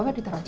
bawa di teraci